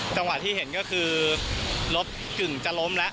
จังหวะที่เห็นก็คือรถกึ่งจะล้มแล้ว